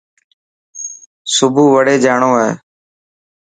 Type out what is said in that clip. سڀو وڙي جاڻو هي.